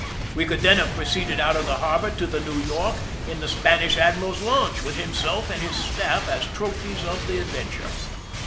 We could then have proceeded out of the harbor to the New York in the Spanish admiral's launch, with himself and his staff as trophies of the adventure.